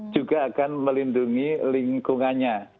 juga akan melindungi lingkungannya